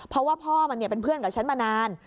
เพราะว่าพ่อมันเป็นเพื่อนกับฉันมานาน